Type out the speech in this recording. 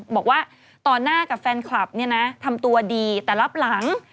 บอกว่าต่อหน้ากับแฟนคลับเนี่ยนะทำตัวดีแต่รับหลัง